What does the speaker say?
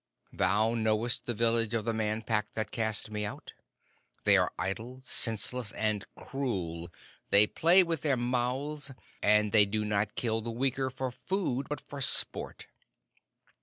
Thou knowest the village of the Man Pack that cast me out? They are idle, senseless, and cruel; they play with their mouths, and they do not kill the weaker for food, but for sport.